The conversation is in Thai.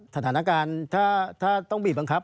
สถานการณ์ถ้าต้องบีบบังคับ